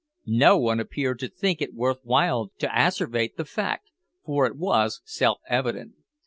No one appeared to think it worth while to asseverate the fact, for it was self evident.